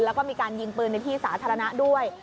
แล้วก็มีการยิงปืนในที่สาธารณะด้วย